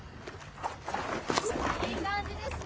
いい感じですね。